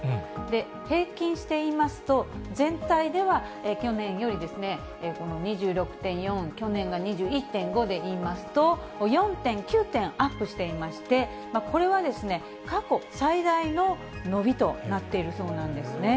平均してみますと、全体では去年より２６．４、去年が２１．５でいいますと、４．９点アップしていまして、これは、過去最大の伸びとなっているそうなんですね。